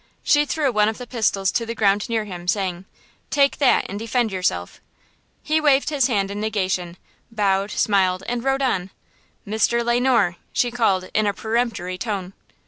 She threw one of the pistols to the ground near him, saying: "Take that and defend yourself." He waved his hand in negation, bowed, smiled, and rode on. "Mr. Le Noir!" she called, in a peremptory tone.